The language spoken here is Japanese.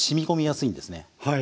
はい。